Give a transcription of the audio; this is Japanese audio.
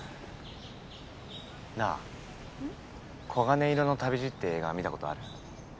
なあ『黄金色の旅路』って映画見たことある？